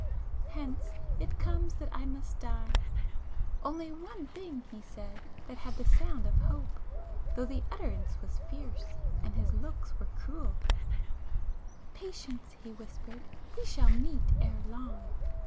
Hence it comes that I must die. Only one thing he said [p 417] that had the sound of hope, though the utterance was fierce, and his looks were cruel,—'Patience!' he whispered—'we shall meet ere long!